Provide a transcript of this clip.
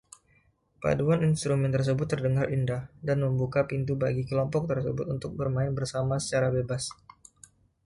Paduan instrumen tersebut terdengar indah, dan membuka pintu bagi kelompok tersebut untuk bermain bersama secara bebas.